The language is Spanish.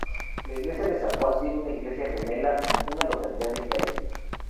La iglesia de San Juan tiene una iglesia gemela en una localidad de Italia.